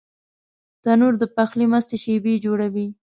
تنور د پخلي مستې شېبې جوړوي